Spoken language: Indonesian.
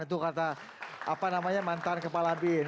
itu kata apa namanya mantan kepala bin